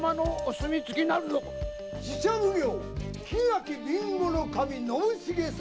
寺社奉行檜垣備後守信成様